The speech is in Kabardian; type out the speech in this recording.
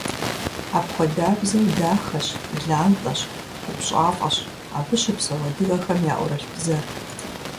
Апхуэдабзэу дахэщ, лантӀэщ, купщӀафӀэщ абы щыпсэу адыгэхэм яӀурылъ бзэр.